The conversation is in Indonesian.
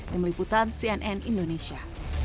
demi liputan cnn indonesia